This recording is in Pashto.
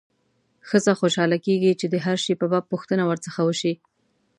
ښځه خوشاله کېږي چې د هر شي په باب پوښتنه ورڅخه وشي.